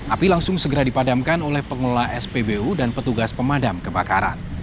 api langsung segera dipadamkan oleh pengelola spbu dan petugas pemadam kebakaran